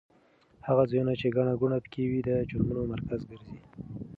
هغه ځایونه چې ګڼه ګوڼه پکې وي د جرمونو مرکز ګرځي.